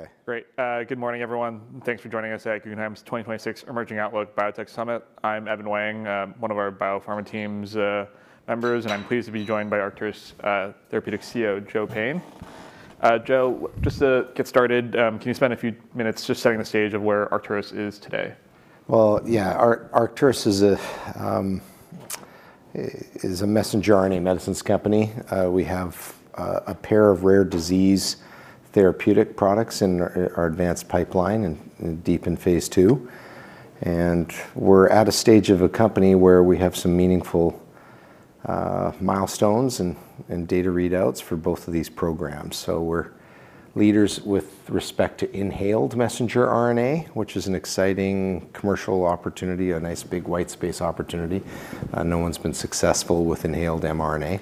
Okay. Great. Good morning, everyone, and thanks for joining us at Guggenheim's 2026 Emerging Outlook Biotech Summit. I'm Evan Wang, one of our biopharma team's members, and I'm pleased to be joined by Arcturus Therapeutics CEO, Joe Payne. Joe, just to get started, can you spend a few minutes just setting the stage of where Arcturus is today? Well, yeah. Arcturus is a messenger RNA medicines company. We have a pair of rare disease therapeutic products in our advanced pipeline and deep in phase II. We're at a stage of a company where we have some meaningful milestones and data readouts for both of these programs. So we're leaders with respect to inhaled messenger RNA, which is an exciting commercial opportunity, a nice big white space opportunity. No one's been successful with inhaled mRNA.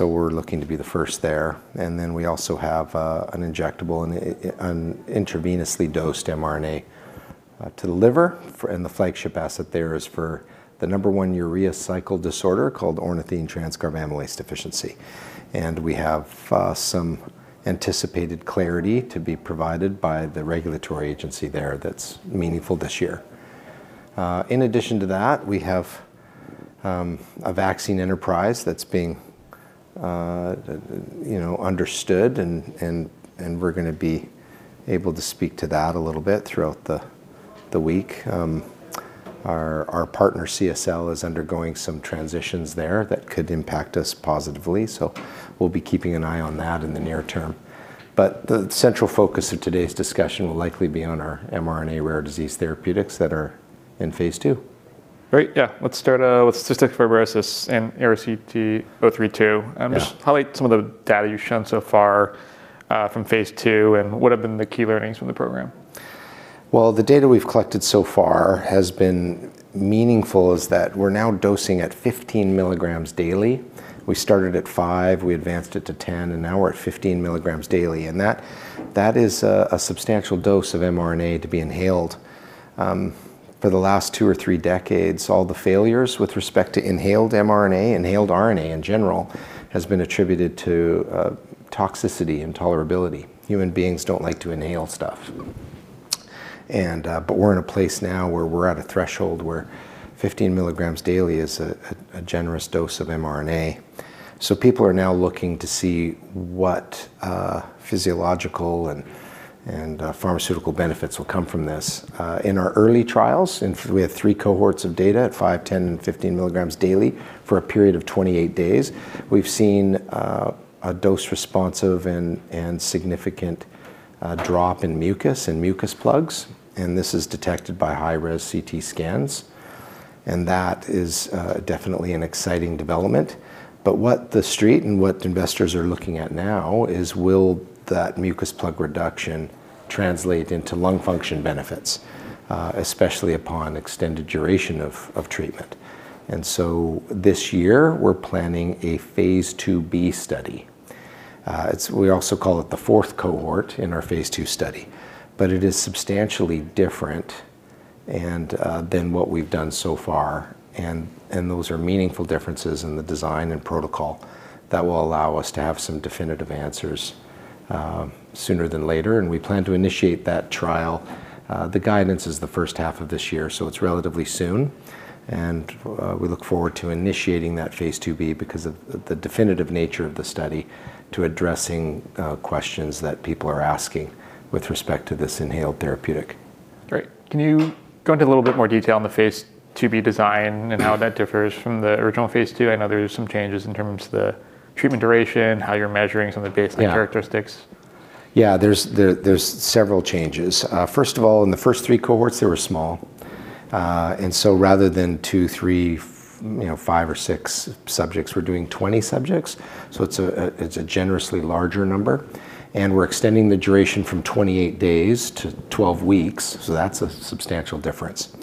We're looking to be the first there. We also have an injectable and an intravenously dosed mRNA to deliver. The flagship asset there is for the number one Urea Cycle Disorder called Ornithine Transcarbamylase Deficiency. We have some anticipated clarity to be provided by the regulatory agency there that's meaningful this year. In addition to that, we have a vaccine enterprise that's being understood, and we're going to be able to speak to that a little bit throughout the week. Our partner, CSL, is undergoing some transitions there that could impact us positively. So we'll be keeping an eye on that in the near term. But the central focus of today's discussion will likely be on our mRNA rare disease therapeutics that are in phase II. Great. Yeah. Let's start with Cystic Fibrosis and ARCT-032. Highlight some of the data you've shown so far from phase II and what have been the key learnings from the program? Well, the data we've collected so far has been meaningful as that we're now dosing at 15 mg daily. We started at 5 mg, we advanced it to 10, and now we're at 15 mg daily. That is a substantial dose of mRNA to be inhaled. For the last two or three decades, all the failures with respect to inhaled mRNA, inhaled RNA in general, has been attributed to toxicity intolerability. Human beings don't like to inhale stuff. But we're in a place now where we're at a threshold where 15 mg daily is a generous dose of mRNA. People are now looking to see what physiological and pharmaceutical benefits will come from this. In our early trials, we had three cohorts of data at 5 mg, 10 mg, and 15 mg daily for a period of 28 days. We've seen a dose responsive and significant drop in mucus and mucus plugs. This is detected by high-res CT scans. That is definitely an exciting development. But what the street and what investors are looking at now is, will that mucus plug reduction translate into lung function benefits, especially upon extended duration of treatment. So this year, we're planning a phase IIb study. We also call it the fourth cohort in our phase II study, but it is substantially different than what we've done so far. Those are meaningful differences in the design and protocol that will allow us to have some definitive answers sooner than later. We plan to initiate that trial. The guidance is the first half of this year, so it's relatively soon. We look forward to initiating that phase IIb because of the definitive nature of the study to addressing questions that people are asking with respect to this inhaled therapeutic. Great. Can you go into a little bit more detail on the phase IIb design and how that differs from the original phase II? I know there are some changes in terms of the treatment duration, how you're measuring some of the baseline characteristics. Yeah, there's several changes. First of all, in the first three cohorts, they were small. So rather than two, three, five or six subjects, we're doing 20 subjects. So it's a generously larger number. And we're extending the duration from 28 days to 12 weeks. So that's a substantial difference.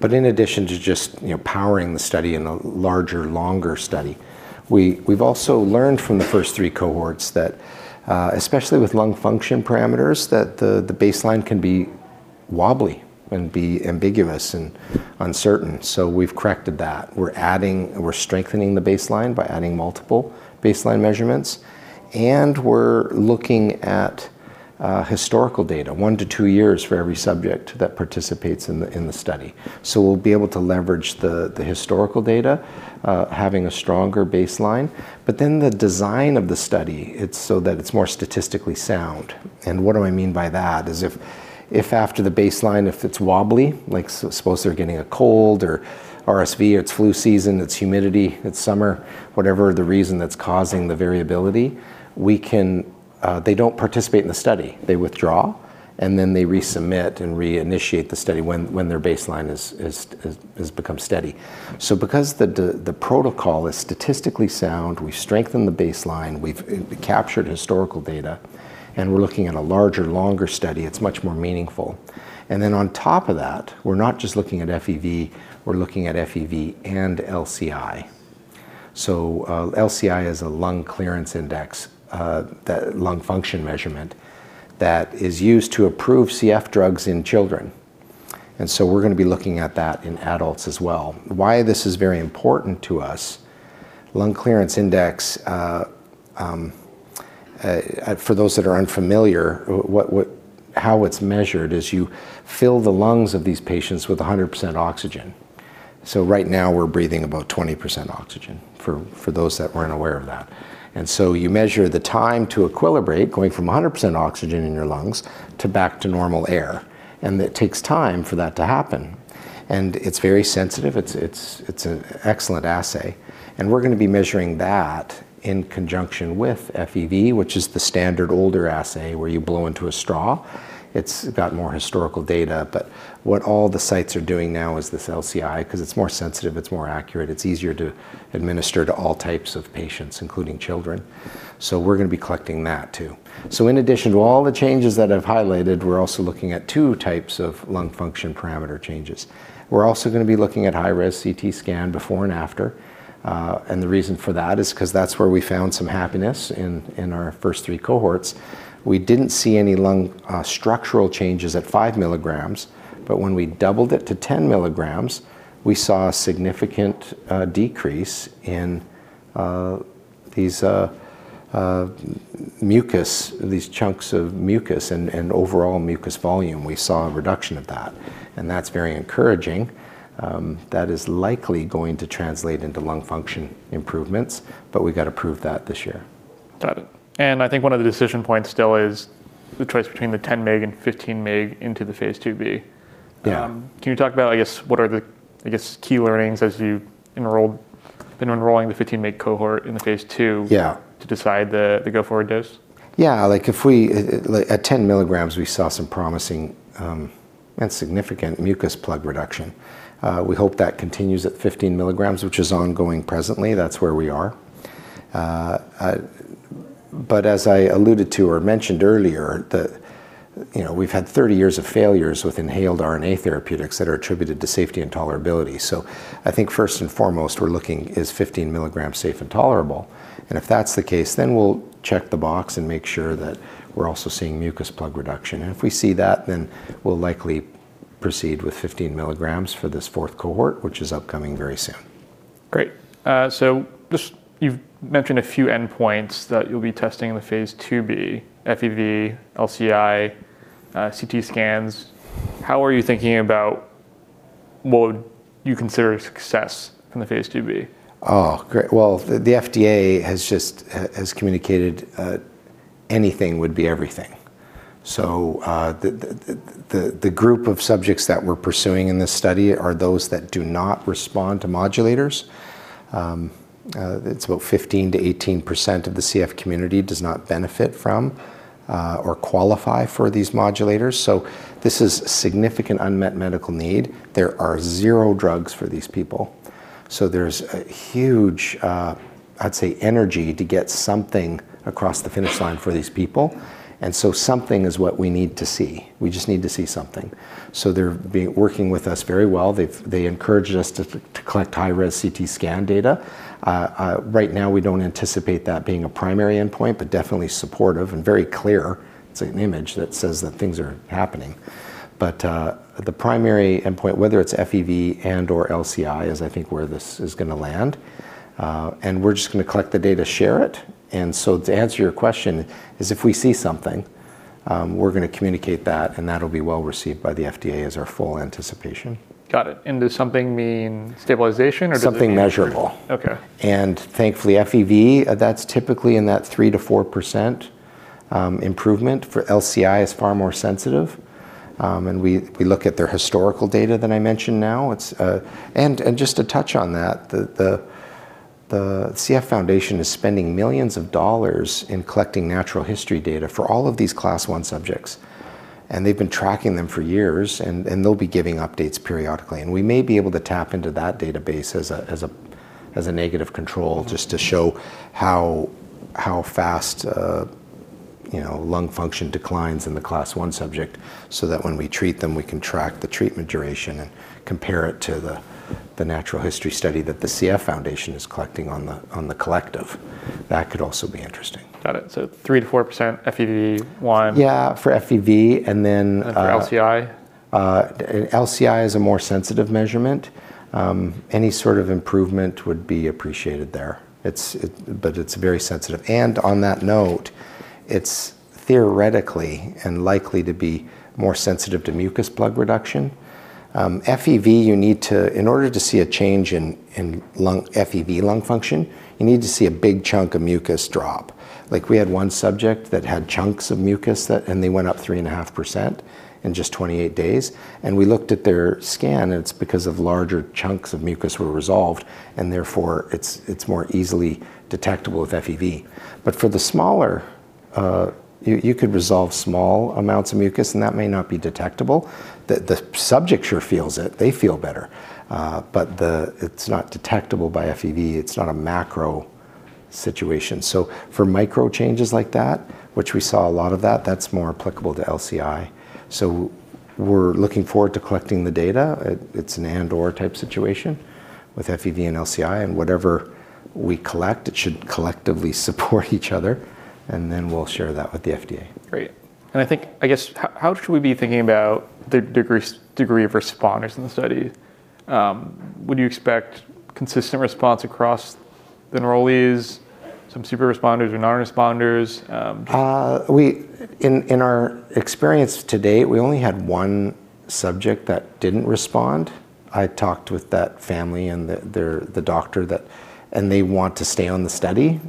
But in addition to just powering the study in a larger, longer study, we've also learned from the first three cohorts that, especially with lung function parameters, that the baseline can be wobbly and be ambiguous and uncertain. So we've corrected that. We're strengthening the baseline by adding multiple baseline measurements. And we're looking at historical data, one year-two years for every subject that participates in the study. So we'll be able to leverage the historical data, having a stronger baseline. But then the design of the study, it's so that it's more statistically sound. What do I mean by that is if after the baseline, if it's wobbly, like suppose they're getting a cold or RSV or it's flu season, it's humidity, it's summer, whatever the reason that's causing the variability, they don't participate in the study. They withdraw and then they resubmit and reinitiate the study when their baseline has become steady. So because the protocol is statistically sound, we strengthen the baseline, we've captured historical data, and we're looking at a larger, longer study. It's much more meaningful. And then on top of that, we're not just looking at FEV. We're looking at FEV and LCI. So LCI is a Lung Clearance Index, that lung function measurement that is used to approve CF drugs in children. And so we're going to be looking at that in adults as well. Why this is very important to us, Lung Clearance Index, for those that are unfamiliar, how it's measured is you fill the lungs of these patients with 100% oxygen. So right now, we're breathing about 20% oxygen for those that weren't aware of that. And so you measure the time to equilibrate going from 100% oxygen in your lungs to back to normal air. And it takes time for that to happen. And it's very sensitive. It's an excellent assay. And we're going to be measuring that in conjunction with FEV, which is the standard older assay where you blow into a straw. It's got more historical data. But what all the sites are doing now is this LCI because it's more sensitive, it's more accurate, it's easier to administer to all types of patients, including children. So we're going to be collecting that too. So in addition to all the changes that I've highlighted, we're also looking at two types of lung function parameter changes. We're also going to be looking at high-res CT scan before and after. And the reason for that is because that's where we found some happiness in our first three cohorts. We didn't see any lung structural changes at 5 mg. But when we doubled it to 10 mg, we saw a significant decrease in these mucus, these chunks of mucus and overall mucus volume. We saw a reduction of that. And that's very encouraging. That is likely going to translate into lung function improvements. But we got to prove that this year. Got it. I think one of the decision points still is the choice between the 10 mg and 15 mg into the phase IIb. Can you talk about, I guess, what are the key learnings as you've been enrolling the 15 mg cohort in the phase II to decide the go-forward dose? Yeah. At 10 mg, we saw some promising and significant mucus plug reduction. We hope that continues at 15 mg, which is ongoing presently. That's where we are. But as I alluded to or mentioned earlier, we've had 30 years of failures with inhaled RNA therapeutics that are attributed to safety intolerability. So I think first and foremost, we're looking at 15 mg safe and tolerable. And if that's the case, then we'll check the box and make sure that we're also seeing mucus plug reduction. And if we see that, then we'll likely proceed with 15 mg for this fourth cohort, which is upcoming very soon. Great. So you've mentioned a few endpoints that you'll be testing in the phase IIb, FEV, LCI, CT scans. How are you thinking about what would you consider success from the phase IIb? Oh, great. Well, the FDA has communicated anything would be everything. So the group of subjects that we're pursuing in this study are those that do not respond to modulators. It's about 15%-18% of the CF community does not benefit from or qualify for these modulators. So this is significant unmet medical need. There are zero drugs for these people. So there's a huge, I'd say, energy to get something across the finish line for these people. And so something is what we need to see. We just need to see something. So they're working with us very well. They encouraged us to collect high-res CT scan data. Right now, we don't anticipate that being a primary endpoint, but definitely supportive and very clear. It's an image that says that things are happening. But the primary endpoint, whether it's FEV and/or LCI, is I think where this is going to land. And we're just going to collect the data, share it. And so to answer your question, is if we see something, we're going to communicate that and that'll be well received by the FDA as our full anticipation. Got it. And does something mean stabilization or does it? Something measurable. Thankfully, FEV, that's typically in that 3%-4% improvement. For LCI, it's far more sensitive. We look at their historical data that I mentioned now. Just to touch on that, the CF Foundation is spending millions of dollars in collecting natural history data for all of these Class I subjects. They've been tracking them for years. They'll be giving updates periodically. We may be able to tap into that database as a negative control just to show how fast lung function declines in the Class I subject so that when we treat them, we can track the treatment duration and compare it to the natural history study that the CF Foundation is collecting on the collective. That could also be interesting. Got it. So 3%-4% FEV1. Yeah, for FEV. And then. And for LCI. LCI is a more sensitive measurement. Any sort of improvement would be appreciated there. But it's very sensitive. And on that note, it's theoretically and likely to be more sensitive to mucus plug reduction. FEV, you need to in order to see a change in lung FEV lung function, you need to see a big chunk of mucus drop. We had one subject that had chunks of mucus and they went up 3.5% in just 28 days. And we looked at their scan and it's because of larger chunks of mucus were resolved and therefore it's more easily detectable with FEV. But for the smaller, you could resolve small amounts of mucus and that may not be detectable. The subject sure feels it. They feel better. But it's not detectable by FEV. It's not a macro situation. So for micro changes like that, which we saw a lot of that, that's more applicable to LCI. So we're looking forward to collecting the data. It's an and/or type situation with FEV and LCI. And whatever we collect, it should collectively support each other. And then we'll share that with the FDA. Great. And I think, I guess, how should we be thinking about the degree of responders in the study? Would you expect consistent response across the enrollees, some super responders or non-responders? In our experience today, we only had one subject that didn't respond. I talked with that family and the doctor, and they want to stay on the study.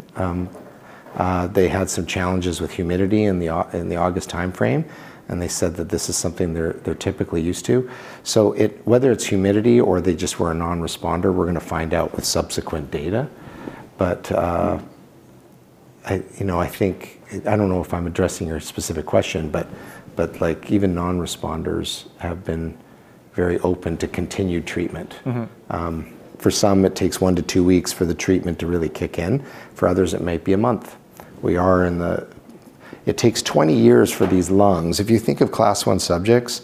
They had some challenges with humidity in the August time frame. They said that this is something they're typically used to. Whether it's humidity or they just were a non-responder, we're going to find out with subsequent data. I think I don't know if I'm addressing your specific question, but even non-responders have been very open to continued treatment. For some, it takes one week-two weeks for the treatment to really kick in. For others, it might be a month. It takes 20 years for these lungs. If you think of Class I subjects,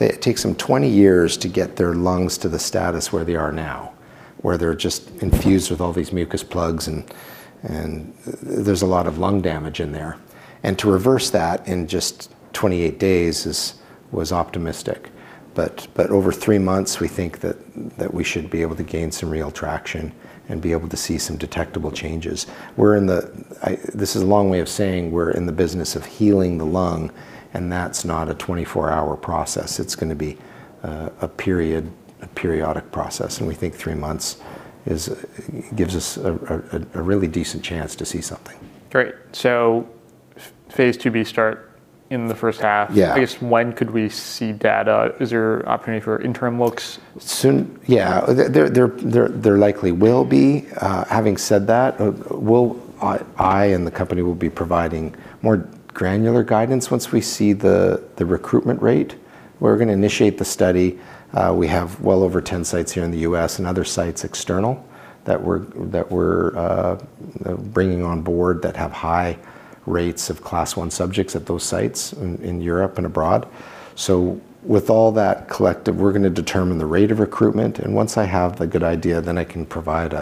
it takes them 20 years to get their lungs to the status where they are now, where they're just infused with all these mucus plugs and there's a lot of lung damage in there. And to reverse that in just 28 days was optimistic. But over three months, we think that we should be able to gain some real traction and be able to see some detectable changes. This is a long way of saying we're in the business of healing the lung. And that's not a 24-hour process. It's going to be a periodic process. And we think three months gives us a really decent chance to see something. Great. So phase IIb start in the first half. I guess when could we see data? Is there opportunity for interim looks? Yeah, there likely will be. Having said that, I and the company will be providing more granular guidance once we see the recruitment rate. We're going to initiate the study. We have well over 10 sites here in the U.S. and other sites external that we're bringing on board that have high rates of Class I subjects at those sites in Europe and abroad. So with all that collective, we're going to determine the rate of recruitment. And once I have the good idea, then I can provide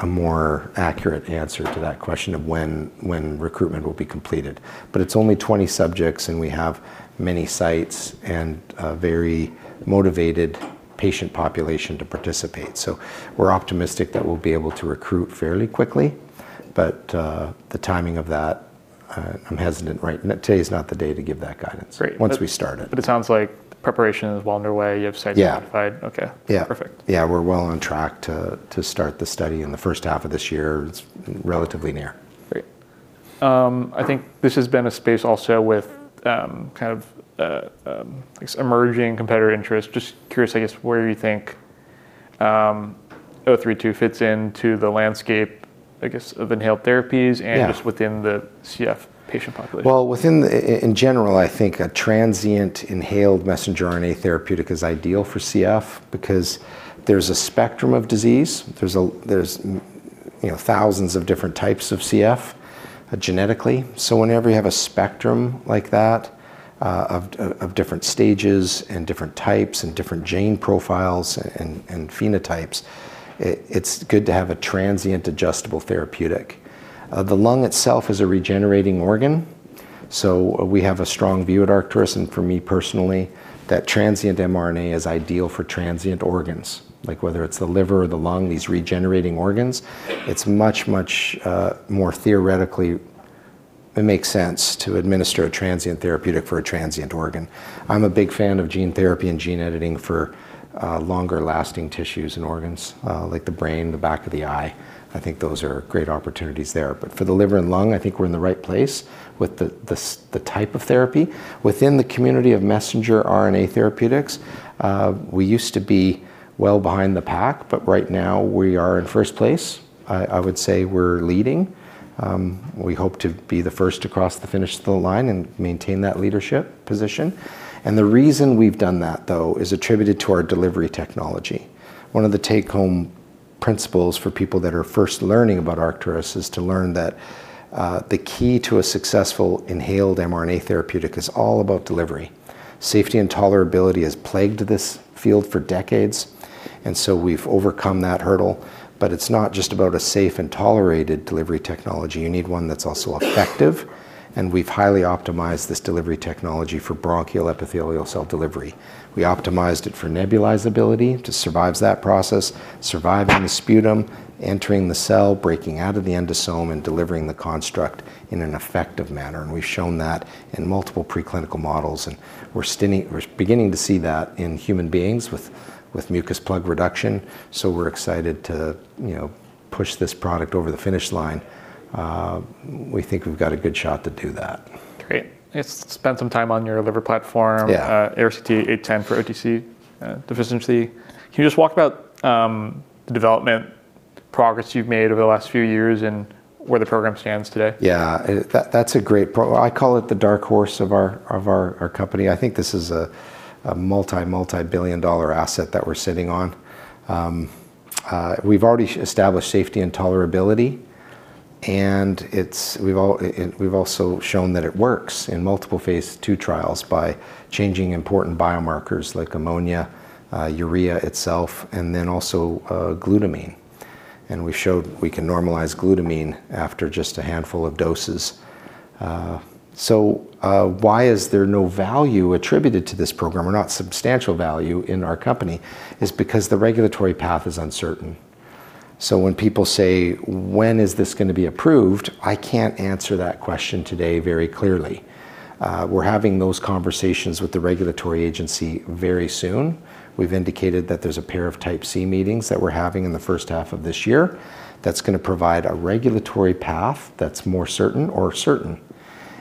a more accurate answer to that question of when recruitment will be completed. But it's only 20 subjects and we have many sites and a very motivated patient population to participate. So we're optimistic that we'll be able to recruit fairly quickly. But the timing of that, I'm hesitant right now. Today is not the day to give that guidance once we start it. But it sounds like preparation is well underway. You have sites certified. Okay. Perfect. Yeah, we're well on track to start the study in the first half of this year. It's relatively near. Great. I think this has been a space also with kind of emerging competitor interest. Just curious, I guess, where do you think 032 fits into the landscape, I guess, of inhaled therapies and just within the CF patient population? Well, in general, I think a transient inhaled messenger RNA therapeutic is ideal for CF because there's a spectrum of disease. There's 1,000s of different types of CF genetically. So whenever you have a spectrum like that of different stages and different types and different gene profiles and phenotypes, it's good to have a transient adjustable therapeutic. The lung itself is a regenerating organ. So we have a strong view at Arcturus. And for me personally, that transient mRNA is ideal for transient organs, whether it's the liver or the lung, these regenerating organs. It's much, much more theoretically, it makes sense to administer a transient therapeutic for a transient organ. I'm a big fan of gene therapy and gene editing for longer lasting tissues and organs like the brain, the back of the eye. I think those are great opportunities there. But for the liver and lung, I think we're in the right place with the type of therapy. Within the community of messenger RNA therapeutics, we used to be well behind the pack. But right now, we are in first place. I would say we're leading. We hope to be the first to cross the finish line and maintain that leadership position. And the reason we've done that, though, is attributed to our delivery technology. One of the take-home principles for people that are first learning about Arcturus is to learn that the key to a successful inhaled mRNA therapeutic is all about delivery. Safety and tolerability has plagued this field for decades. And so we've overcome that hurdle. But it's not just about a safe and tolerated delivery technology. You need one that's also effective. And we've highly optimized this delivery technology for bronchial epithelial cell delivery. We optimized it for nebulizability to survive that process, surviving the sputum, entering the cell, breaking out of the endosome, and delivering the construct in an effective manner. And we've shown that in multiple preclinical models. And we're beginning to see that in human beings with mucus plug reduction. So we're excited to push this product over the finish line. We think we've got a good shot to do that. Great. I guess spend some time on your liver platform, ARCT-810 for OTC deficiency. Can you just walk about the development progress you've made over the last few years and where the program stands today? Yeah, that's a great program. I call it the dark horse of our company. I think this is a multi-multi-billion-dollar asset that we're sitting on. We've already established safety and tolerability. And we've also shown that it works in multiple phase II trials by changing important biomarkers like ammonia, urea itself, and then also glutamine. And we've showed we can normalize glutamine after just a handful of doses. So why is there no value attributed to this program or not substantial value in our company is because the regulatory path is uncertain. So when people say, when is this going to be approved? I can't answer that question today very clearly. We're having those conversations with the regulatory agency very soon. We've indicated that there's a pair of Type C meetings that we're having in the first half of this year that's going to provide a regulatory path that's more certain or certain.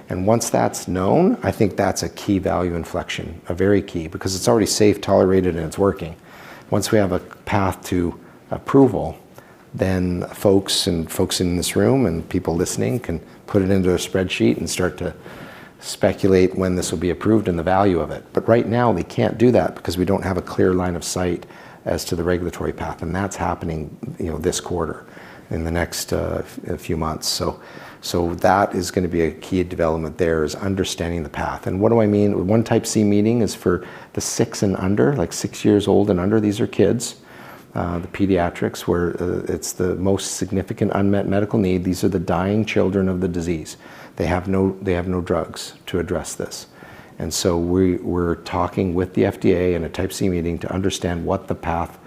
And once that's known, I think that's a key value inflection, a very key, because it's already safe, tolerated, and it's working. Once we have a path to approval, then folks and folks in this room and people listening can put it into a spreadsheet and start to speculate when this will be approved and the value of it. But right now, they can't do that because we don't have a clear line of sight as to the regulatory path. And that's happening this quarter in the next few months. So that is going to be a key development there is understanding the path. And what do I mean? One Type C meeting is for the six and under, like six years old and under. These are kids, the pediatrics, where it's the most significant unmet medical need. These are the dying children of the disease. They have no drugs to address this. We're talking with the FDA in a Type C meeting to understand what the path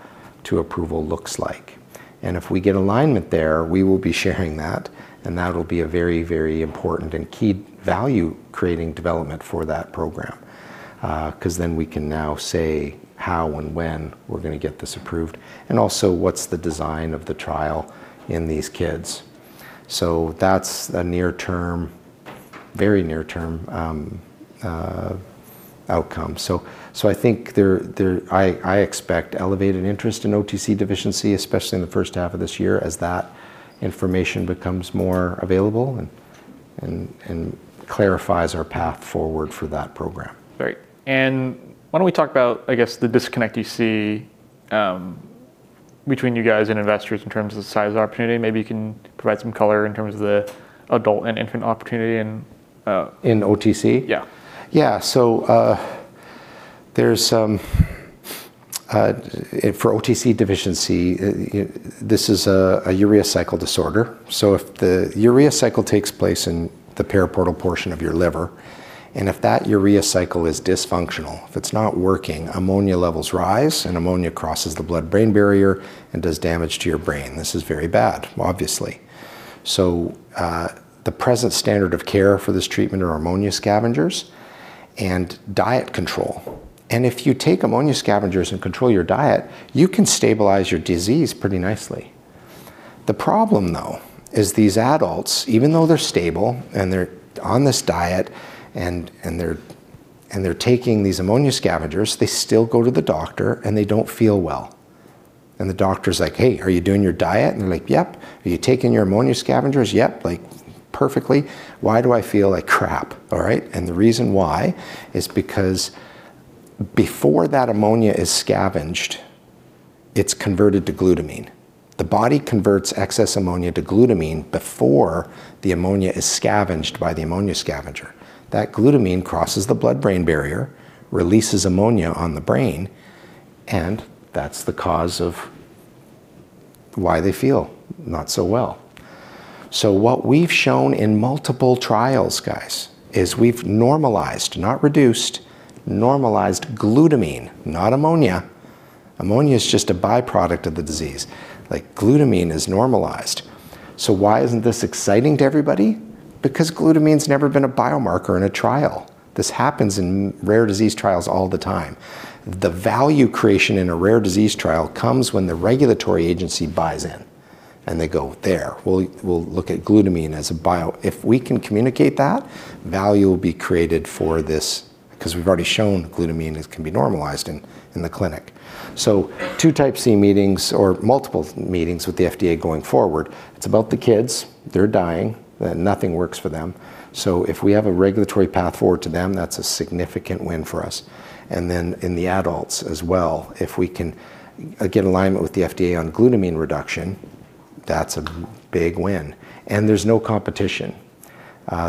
to approval looks like. If we get alignment there, we will be sharing that. That'll be a very, very important and key value creating development for that program because then we can now say how and when we're going to get this approved and also what's the design of the trial in these kids. That's a near term, very near term outcome. I think I expect elevated interest in OTC deficiency, especially in the first half of this year, as that information becomes more available and clarifies our path forward for that program. Great. Why don't we talk about, I guess, the disconnect you see between you guys and investors in terms of the size of opportunity? Maybe you can provide some color in terms of the adult and infant opportunity and. In OTC? Yeah. Yeah. So for OTC deficiency, this is a urea cycle disorder. So if the urea cycle takes place in the periportal portion of your liver, and if that urea cycle is dysfunctional, if it's not working, ammonia levels rise and ammonia crosses the blood-brain barrier and does damage to your brain. This is very bad, obviously. So the present standard of care for this treatment are ammonia scavengers and diet control. And if you take ammonia scavengers and control your diet, you can stabilize your disease pretty nicely. The problem, though, is these adults, even though they're stable and they're on this diet and they're taking these ammonia scavengers, they still go to the doctor and they don't feel well. And the doctor's like, "Hey, are you doing your diet?" And they're like, "Yep." "Are you taking your ammonia scavengers?" "Yep." "Perfectly." "Why do I feel like crap?" "All right." And the reason why is because before that ammonia is scavenged, it's converted to glutamine. The body converts excess ammonia to glutamine before the ammonia is scavenged by the ammonia scavenger. That glutamine crosses the blood-brain barrier, releases ammonia on the brain, and that's the cause of why they feel not so well. So what we've shown in multiple trials, guys, is we've normalized, not reduced, normalized glutamine, not ammonia. Ammonia is just a byproduct of the disease. Glutamine is normalized. So why isn't this exciting to everybody? Because glutamine's never been a biomarker in a trial. This happens in rare disease trials all the time. The value creation in a rare disease trial comes when the regulatory agency buys in and they go there. We'll look at glutamine as a bio. If we can communicate that value, it will be created for this because we've already shown glutamine can be normalized in the clinic. So two Type C meetings or multiple meetings with the FDA going forward, it's about the kids. They're dying. Nothing works for them. So if we have a regulatory path forward to them, that's a significant win for us. And then in the adults as well, if we can get alignment with the FDA on glutamine reduction, that's a big win. And there's no competition.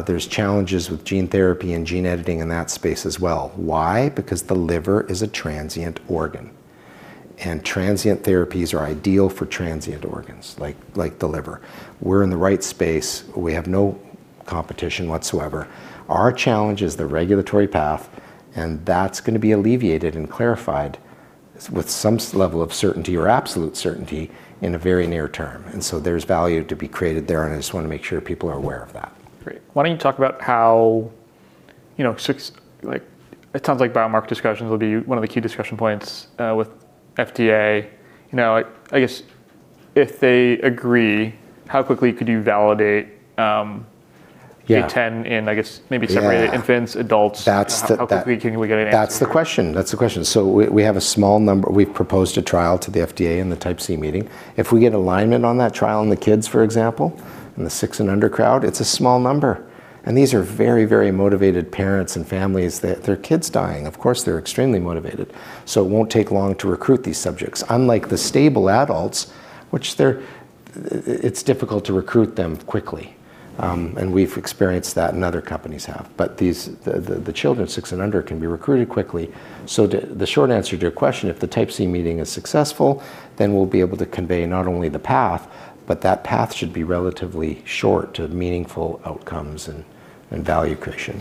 There's challenges with gene therapy and gene editing in that space as well. Why? Because the liver is a transient organ and transient therapies are ideal for transient organs like the liver. We're in the right space. We have no competition whatsoever. Our challenge is the regulatory path, and that's going to be alleviated and clarified with some level of certainty or absolute certainty in a very near term. There's value to be created there. I just want to make sure people are aware of that. Great. Why don't you talk about how it sounds like biomarker discussions will be one of the key discussion points with FDA. I guess if they agree, how quickly could you validate [G10] in, I guess, maybe separate infants, adults? How quickly can we get an answer? That's the question. That's the question. So we have a small number. We've proposed a trial to the FDA in the Type C meeting. If we get alignment on that trial in the kids, for example, in the six and under crowd, it's a small number. And these are very, very motivated parents and families. Their kids dying. Of course, they're extremely motivated. So it won't take long to recruit these subjects. Unlike the stable adults, it's difficult to recruit them quickly. And we've experienced that and other companies have. But the children, six and under, can be recruited quickly. So the short answer to your question, if the Type C meeting is successful, then we'll be able to convey not only the path, but that path should be relatively short to meaningful outcomes and value creation.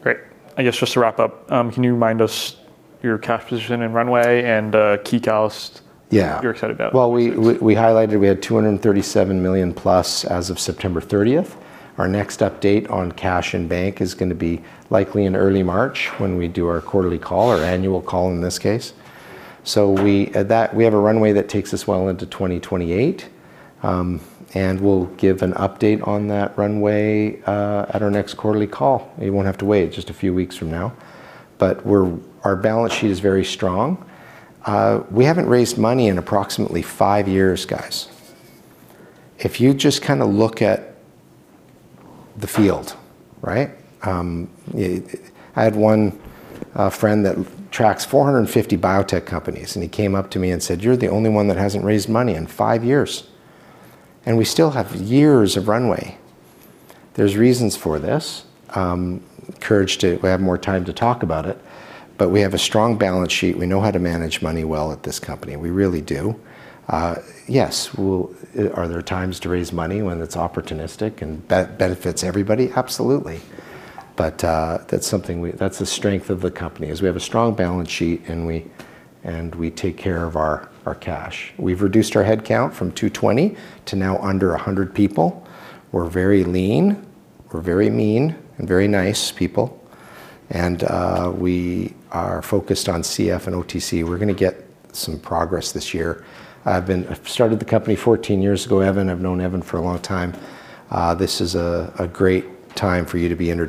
Great. I guess just to wrap up, can you remind us your cash position, runway, and key catalysts you're excited about? Well, we highlighted we had $237 million plus as of September 30th. Our next update on cash and bank is going to be likely in early March when we do our quarterly call, our annual call in this case. So we have a runway that takes us well into 2028. And we'll give an update on that runway at our next quarterly call. You won't have to wait. It's just a few weeks from now. But our balance sheet is very strong. We haven't raised money in approximately five years, guys. If you just kind of look at the field, right? I had one friend that tracks 450 biotech companies. And he came up to me and said, "You're the only one that hasn't raised money in five years." And we still have years of runway. There's reasons for this. Courage to have more time to talk about it. But we have a strong balance sheet. We know how to manage money well at this company. We really do. Yes. Are there times to raise money when it's opportunistic and benefits everybody? Absolutely. But that's the strength of the company is we have a strong balance sheet and we take care of our cash. We've reduced our headcount from 220 to now under 100 people. We're very lean. We're very mean and very nice people. And we are focused on CF and OTC. We're going to get some progress this year. I've started the company 14 years ago, Evan. I've known Evan for a long time. This is a great time for you to be in.